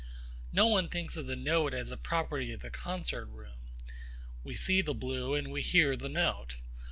No one thinks of the note as a property of the concert room. We see the blue and we hear the note.